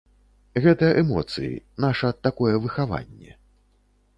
Гэта эмоцыі, наша такое выхаванне.